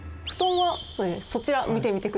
そちら見てみてください。